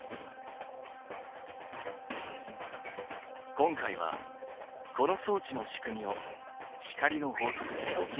今回はこの装置の仕組みを光の法則で解き明かせ！